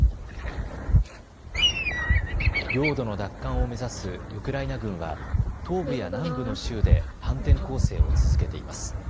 領土の奪還を目指すウクライナ軍は東部や南部の州で反転攻勢を続けています。